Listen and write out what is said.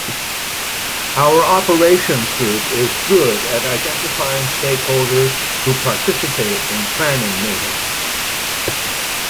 Our Operations group is good at identifying stakeholders who participate in planning meetings.